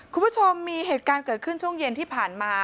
คุณผู้ชมมีเหตุการณ์เกิดขึ้นช่วงเย็นที่ผ่านมา